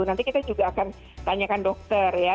nanti kita juga akan tanyakan dokter ya